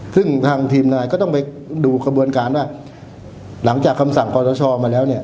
ซึ่งทางทีมนายก็ต้องไปดูกระบวนการว่าหลังจากคำสั่งขอสชมาแล้วเนี่ย